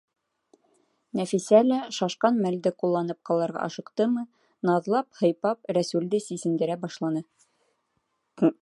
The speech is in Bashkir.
Нәфисә лә шашҡан мәлде ҡулланып ҡалырға ашыҡтымы, наҙлап-һыйпап Рәсүлде сисендерә башланы.